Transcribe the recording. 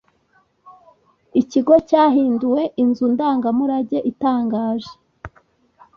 Ikigo cyahinduwe inzu ndangamurage itangaje.